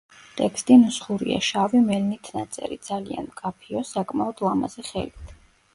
ტექსტი ნუსხურია, შავი მელნით ნაწერი, ძალიან მკაფიო, საკმაოდ ლამაზი ხელით.